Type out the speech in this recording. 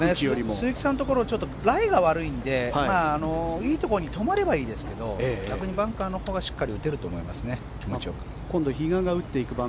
鈴木さんのところライが悪いのでいいところに止まればいいですけど逆にバンカーのほうが気持ちよくしっかり打てると思いますね。